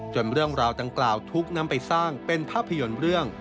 เรื่องราวดังกล่าวถูกนำไปสร้างเป็นภาพยนตร์เรื่อง